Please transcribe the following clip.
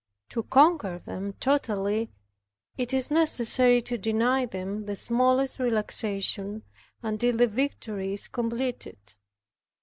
To conquer them totally, it is necessary to deny them the smallest relaxation, until the victory is completed.